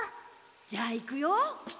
じゃあいくよ。